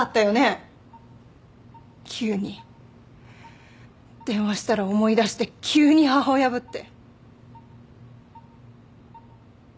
急に電話したら思い出して急に母親ぶって。